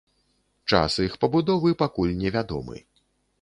Час іх пабудовы пакуль не вядомы.